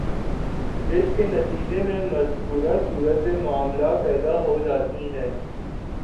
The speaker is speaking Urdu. جس کے نتیجے میں مذکورہ صورتِ معاملہ پیدا ہو جاتی ہے